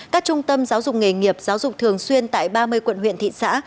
các trung tâm giáo dục nghề nghiệp giáo dục thường xuyên tại ba mươi quận huyện thị xã